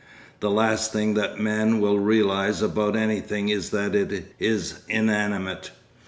The last thing that men will realise about anything is that it is inanimate.